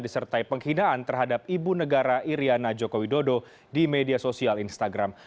disertai penghinaan terhadap ibu negara iryana joko widodo di media sosial instagram